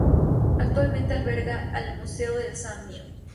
Actualmente alberga el Museo del Samnio.